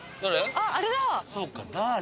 あっあれだ！